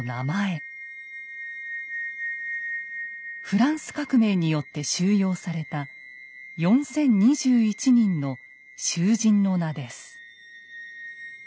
フランス革命によって収容された４，０２１人の囚人の名です。